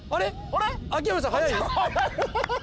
秋山さん速い？